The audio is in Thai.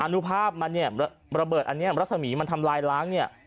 นุภาพมันเนี่ยระเบิดอันนี้รัศมีร์มันทำลายล้างเนี่ย